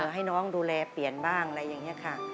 ให้น้องดูแลเปลี่ยนบ้างอะไรอย่างนี้ค่ะ